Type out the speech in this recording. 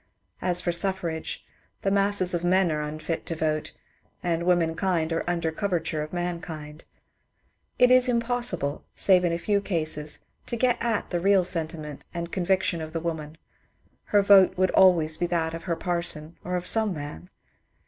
As for suffrage, the masses of men are unfit to vote, and womenkind are under coverture of mankind. It is impossible, save in a few cases, to get at the real sentiment and conviction of the woman : her vote would always be that of her parson or of some man.